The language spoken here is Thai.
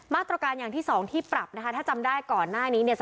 มาตรการอย่างที่๒ที่ปรับนะคะถ้าจำได้ก่อนหน้านี้เนี่ย